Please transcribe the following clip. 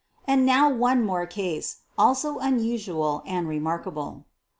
And now one more case — also unusual and re markable.